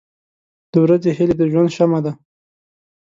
• د ورځې هیلې د ژوند شمع ده.